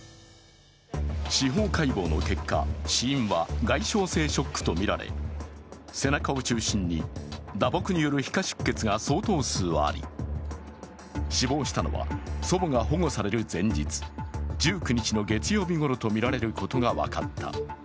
司法解剖の結果、死因は外傷性ショックとみられ、背中を中心に打撲による皮下出血が相当数あり、死亡したのは祖母が保護される前日、１９日の月曜日ごろとみられることが分かった。